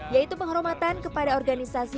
yaitu penghormatan kepada organisasi